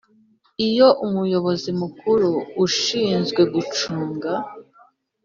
Iyo umuyobozi mukuru ushinzwe gucunga